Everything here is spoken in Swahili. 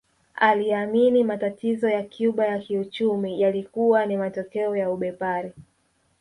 Aliamini matatizo ya Cuba ya kiuchumi yalikuwa ni matokeo ya ubepari